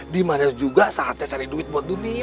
dimana juga saatnya cari duit buat dunia